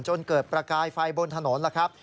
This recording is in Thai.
จนเกิดประกายไฟบนถนนล่ะครับ